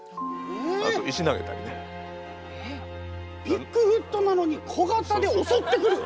ビッグフットなのに小型でおそってくる？